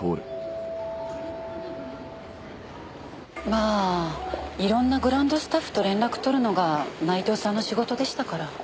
まあ色んなグランドスタッフと連絡取るのが内藤さんの仕事でしたから。